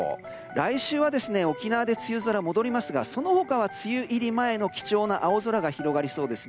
来週は沖縄は梅雨空が戻りますがその他は梅雨入り前の貴重な青空が広がりそうです。